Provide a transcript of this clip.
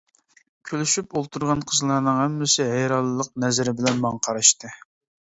كۈلۈشۈپ ئولتۇرغان قىزلارنىڭ ھەممىسى ھەيرانلىق نەزىرى بىلەن ماڭا قاراشتى.